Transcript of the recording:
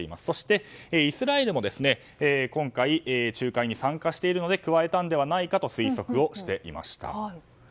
そしてイスラエルも今回、仲介に参加しているので加えたのではと推測していました。